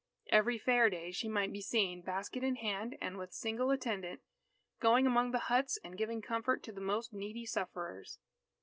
Every fair day, she might be seen, basket in hand and with a single attendant, going among the huts and giving comfort to the most needy sufferers.